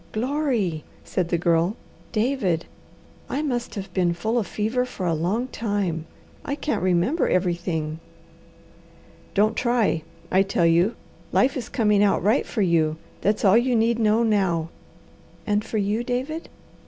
"Glory!" said the Girl. "David, I must have been full of fever for a long time. I can't remember everything." "Don't try, I tell you. Life is coming out right for you; that's all you need know now." "And for you, David?"